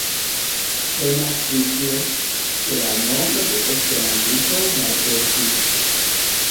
Temas pri tio, ke la nombro de esperantistoj malkreskis.